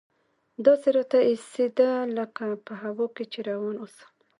داسې راته اېسېده لکه په هوا کښې چې روان اوسم.